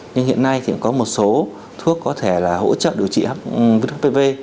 nhưng hiện nay thì cũng có một số thuốc có thể là hỗ trợ điều trị virus hpv